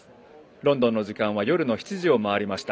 ロンドンの時間は夜の７時を回りました。